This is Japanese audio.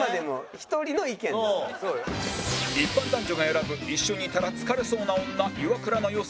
一般男女が選ぶ一緒にいたら疲れそうな女イワクラの予想